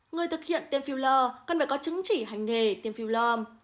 người thực hiện tiêm filler cần phải có chứng chỉ hành nghề tiêm filler